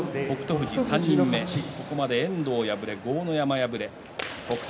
富士、３人目ここまで遠藤敗れ、豪ノ山敗れ北勝